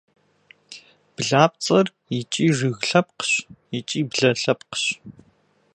Блапцӏэр икӏи жыг лъэпкъщ, икӏи блэ лъэпкъщ.